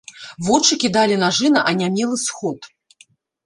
Вочы кідалі нажы на анямелы сход.